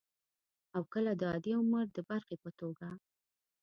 او کله د عادي عمر د برخې په توګه